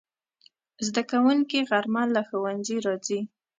زدهکوونکي غرمه له ښوونځي راځي